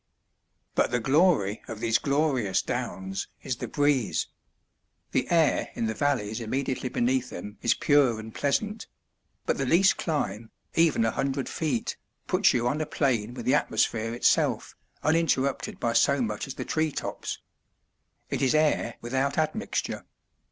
But the glory of these glorious Downs is the breeze. The air in the valleys immediately beneath them is pure and pleasant; but the least climb, even a hundred feet, puts you on a plane with the atmosphere itself, uninterrupted by so much as the tree tops. It is air without admixture.